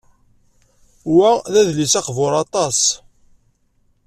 Wa d adlis aqbur aṭas.